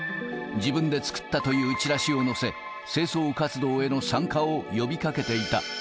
自分で作ったというチラシを載せ、清掃活動への参加を呼びかけていた。